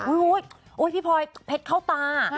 อู๊ยพี่พลอยเผ็ดเข้าตา